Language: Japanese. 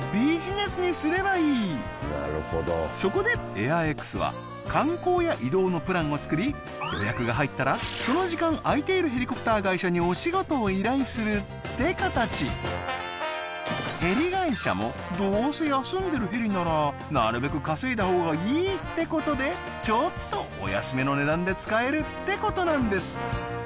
そこでエアーエックスは観光や移動のプランを作り予約が入ったらその時間空いているヘリコプター会社にお仕事を依頼するって形ヘリ会社もどうせ休んでるヘリならなるべく稼いだ方がいいってことでちょっとお安めの値段で使えるってことなんです